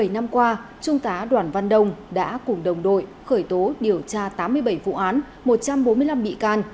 bảy năm qua trung tá đoàn văn đông đã cùng đồng đội khởi tố điều tra tám mươi bảy vụ án một trăm bốn mươi năm bị can